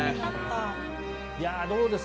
どうですか？